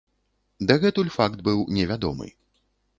Дагэтуль факт быў невядомы.